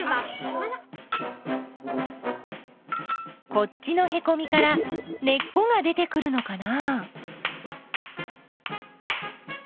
こっちのへこみから根っこが出てくるのかな？